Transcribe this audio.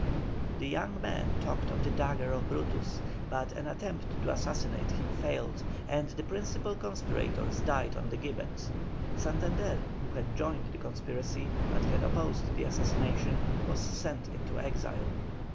The young men talked of the dagger of Brutus, but an attempt to assassinate him failed, and the principal conspirators died on the gibbet. Santander, who had joined the conspiracy but had opposed the assassination, was sent into exile.